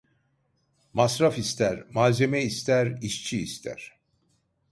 Masraf ister, malzeme ister, işçi ister.